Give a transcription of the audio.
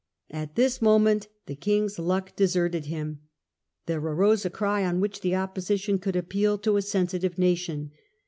At this moment the king's luck deserted him. There arose a cry on which the opposition could appeal to a sensitive nation.